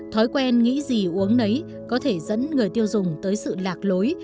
thói quen nghĩ gì uống nấy có thể dẫn người tiêu dùng tới sự lạc lối